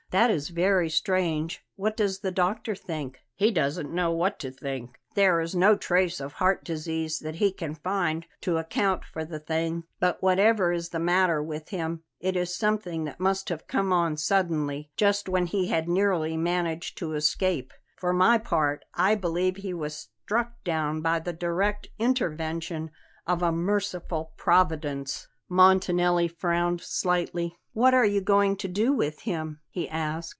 "That is very strange. What does the doctor think?" "He doesn't know what to think. There is no trace of heart disease that he can find to account for the thing; but whatever is the matter with him, it is something that must have come on suddenly, just when he had nearly managed to escape. For my part, I believe he was struck down by the direct intervention of a merciful Providence." Montanelli frowned slightly. "What are you going to do with him?" he asked.